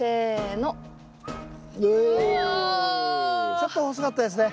ちょっと細かったですね。